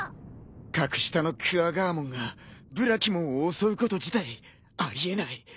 格下のクワガーモンがブラキモンを襲うこと自体あり得ない。